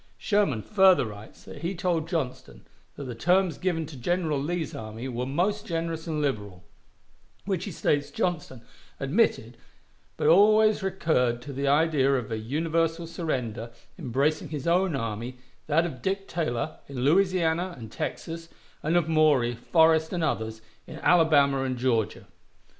Sherman further writes that he told Johnston that the terms given to General Lee's army were most generous and liberal, which he states Johnston "admitted, but always recurred to the idea of a universal surrender, embracing his own army, that of Dick Taylor, in Louisiana and Texas, and of Maury, Forrest, and others, in Alabama and Georgia."